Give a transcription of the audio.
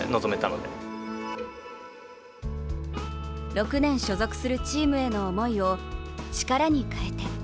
６年所属するチームへの思いを力に変えて。